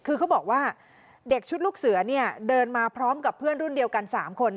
คือเขาบอกว่าเด็กชุดลูกเสือเดินมาพร้อมกับเพื่อนรุ่นเดียวกัน๓คน